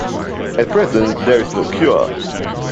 At present there is no cure.